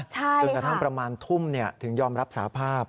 จนกระทั่งประมาณทุ่มถึงยอมรับสาภาพ